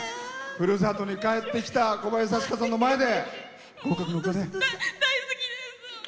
ふるさとに帰ってきた小林幸子さんの前で。